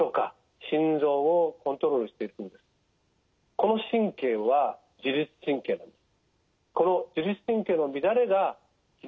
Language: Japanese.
この神経は自律神経なんです。